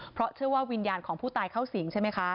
เพราะเชื่อว่าวิญญาณของผู้ตายเข้าสิงใช่ไหมคะ